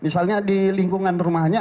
misalnya di lingkungan rumahnya